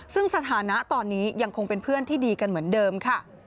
ซึ่งสถานะตอนนี้ยังคงเป็นเพื่อนที่ดีกันเหมือนเดิมค่ะ